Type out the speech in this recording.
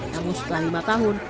namun setelah lima tahun